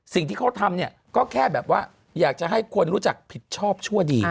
สิ่งที่เขาทำเนี่ยก็แค่แบบว่าอยากจะให้คนรู้จักผิดชอบชั่วดี